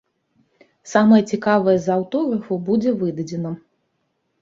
Самае цікавае з аўтографаў будзе выдадзена.